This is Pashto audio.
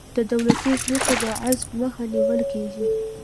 د دولتي ځمکو د غصب مخه نیول کیږي.